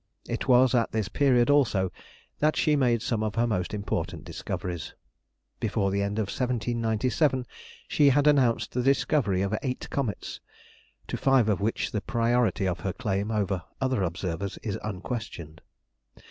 It was at this period also that she made some of her most important discoveries. Before the end of 1797 she had announced the discovery of eight comets, to five of which the priority of her claim over other observers is unquestioned.